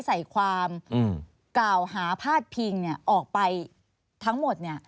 ใส่ความกล่าวหาพาดพิงออกไปทั้งหมด